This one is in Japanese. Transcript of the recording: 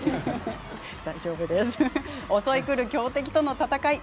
襲いくる強敵との戦い。